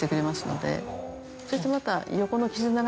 そしてまた。